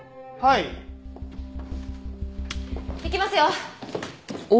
行きますよ！